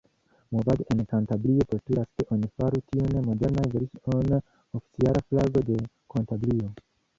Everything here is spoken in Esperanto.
Movado en Kantabrio postulas, ke oni faru tiun modernan version oficiala flago de Kantabrio.